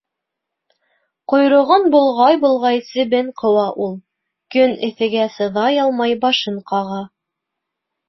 Ҡойроғон болғай-болғай себен ҡыуа ул, көн эҫегә, сыҙай алмай, башын ҡаға.